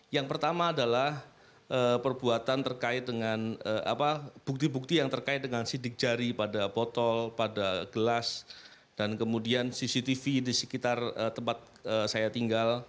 yang pertama adalah perbuatan terkait dengan bukti bukti yang terkait dengan sidik jari pada botol pada gelas dan kemudian cctv di sekitar tempat saya tinggal